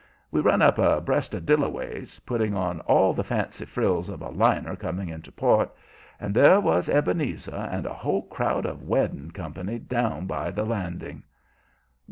We run up abreast of Dillaway's, putting on all the fancy frills of a liner coming into port, and there was Ebenezer and a whole crowd of wedding company down by the landing.